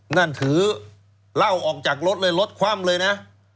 นั่นถือเหล้าออกจากรถเลยรถคว่ำเลยนะ